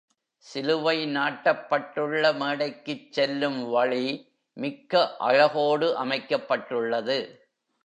சிலுவை நாட்டப்பட்டுள்ள மேடைக்குச் செல்லும் வழி, மிக்க அழகோடு அமைக்கப்பட்டுள்ளது.